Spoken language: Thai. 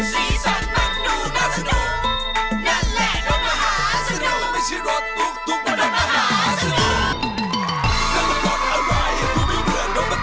สีสันมันดูน่าสนุก